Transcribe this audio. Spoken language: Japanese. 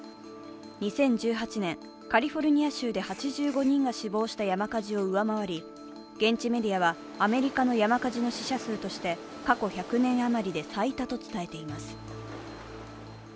２０１８年、カリフォルニア州で８５人が死亡した山火事を上回り、現地メディアは、アメリカの山火事の死者数として過去１００年余りで最多と伝えています。